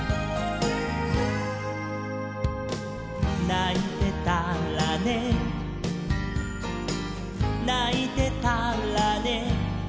「ないてたらねないてたらね」